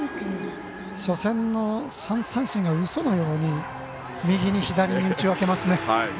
初戦の３三振がうそのように右に左に打ち分けますね。